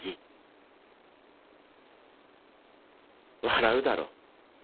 笑うだろ。